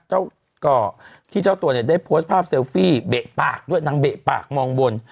ก่อที่เจ้าตัวเนี่ยได้โพสต์ภาพเซลฟี่เบะปากด้วยนางเบะปากมองบน